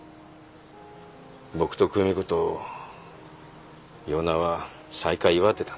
僕と久美子と与那は再会祝ってたんだ。